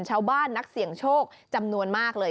ชาวบ้านนักเสียงโชคจำนวนมากเลย